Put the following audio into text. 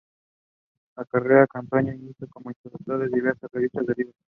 La carrera de Cataño inició como ilustrador de diversas revistas y libros.